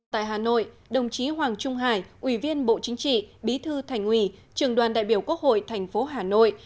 tại hà nội đồng chí hoàng trung hải ủy viên bộ chính trị bí thư thành ủy trường đoàn đại biểu quốc hội thành phố hà nội